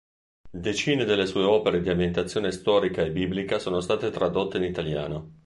Decine delle sue opere di ambientazione storica e biblica sono state tradotte in italiano.